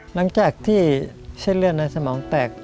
หลังจากที่เส้นเลือดในสมองแตก